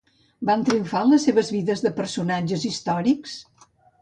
Van triomfar les seves vides de personatges històrics?